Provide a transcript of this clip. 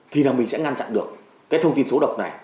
thì là mình sẽ ngăn chặn được cái thông tin số độc này đến với công chúng